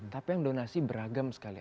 tapi yang donasi beragam sekali